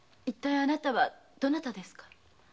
一体あなたはどなたですか？